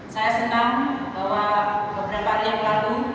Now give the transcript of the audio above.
saya senang bahwa beberapa hari yang lalu